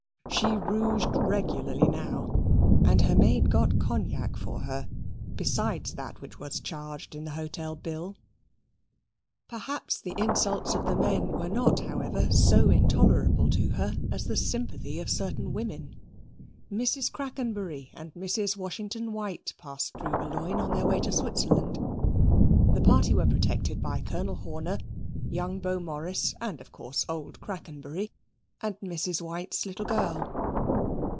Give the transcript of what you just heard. She rouged regularly now; and and her maid got Cognac for her besides that which was charged in the hotel bill. Perhaps the insults of the men were not, however, so intolerable to her as the sympathy of certain women. Mrs. Crackenbury and Mrs. Washington White passed through Boulogne on their way to Switzerland. The party were protected by Colonel Horner, young Beaumoris, and of course old Crackenbury, and Mrs. White's little girl.